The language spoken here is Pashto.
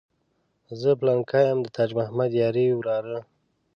زه پلانکی یم د تاج محمد یاري وراره.